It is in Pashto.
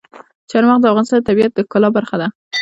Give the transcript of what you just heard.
چار مغز د افغانستان د طبیعت د ښکلا برخه ده.